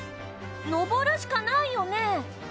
登るしかないよね？